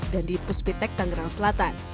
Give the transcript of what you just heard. dan di puspitek tangerang selatan